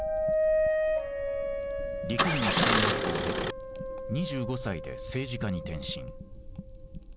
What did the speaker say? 陸軍士官学校を経て２５歳で政治家に転身。